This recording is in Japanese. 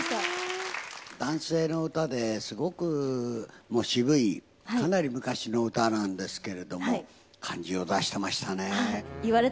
男性の歌ですごく渋いかなり昔の歌なんですけれども感じを出していましたね。